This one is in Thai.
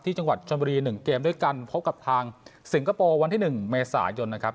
ที่จังหวัดชวนบรีหนึ่งเกมด้วยกันพบกับทางสิงคโปร์วันที่หนึ่งเมษายนนะครับ